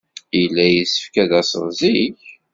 Yella yessefk ad d-tased zik.